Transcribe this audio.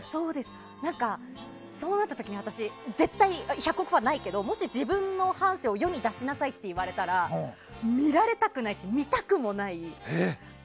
そうなった時に私、１００％オファー来ないけどもし自分の半生を世に出しなさいと言われたら見られたくないし、見たくもない。